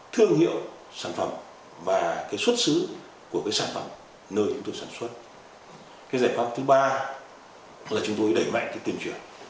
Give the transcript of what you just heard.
thương hiệu sản phẩm và cái xuất xứ của cái sản phẩm nơi chúng tôi sản xuất cái giải pháp thứ ba là chúng tôi đẩy mạnh cái tuyên truyền